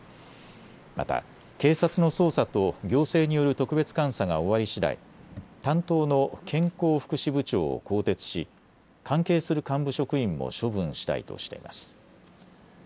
また警察の捜査と行政による特別監査が終わりしだい担当の健康福祉部長を更迭し関係する幹部職員も処分したいとしています。